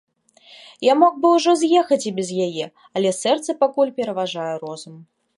Я мог бы ўжо з'ехаць і без яе, але сэрца пакуль пераважвае розум.